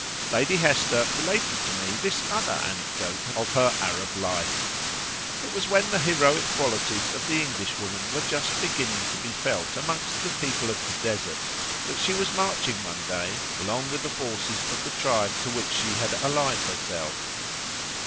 Lady Hester related to me this other anecdote of her Arab life. It was when the heroic qualities of the Englishwoman were just beginning to be felt amongst the people of the desert, that she was marching one day, along with the forces of the tribe to which she had allied herself.